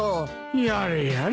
やれやれ。